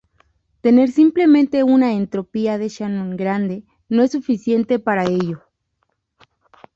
Tener simplemente una entropía de Shannon grande no es suficiente para ello.